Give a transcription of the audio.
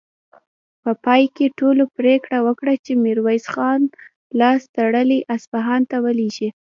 په پای کې ټولو پرېکړه وکړه چې ميرويس خان لاس تړلی اصفهان ته ولېږي.